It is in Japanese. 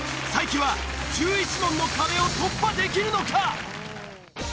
才木は１１問の壁を突破できるのか！？